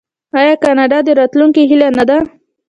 آیا کاناډا د راتلونکي هیله نه ده؟